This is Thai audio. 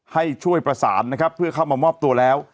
ให้ช่วยประสานนะครับเพื่อเข้ามามอบตัวแล้ว